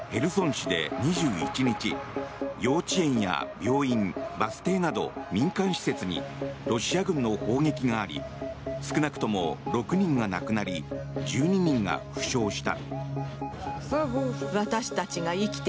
市で２１日幼稚園や病院、バス停など民間施設にロシア軍の砲撃があり少なくとも６人が亡くなり１２人が負傷した。